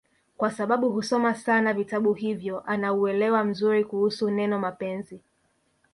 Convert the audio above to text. kwasababu husoma sana vitabu hivyo ana uwelewa mzuri kuhusu neno mapenzi